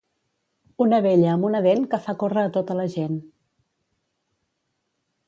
Una vella amb una dent que fa córrer a tota la gent.